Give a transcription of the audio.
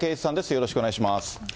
よろしくお願いします。